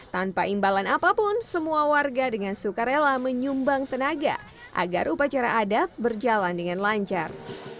tanpa imbalan apapun semua warga dengan suka rela menyumbang tenaga agar upacara adat berjalan dengan lancar